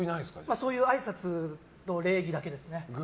そういうあいさつと礼儀だけですね。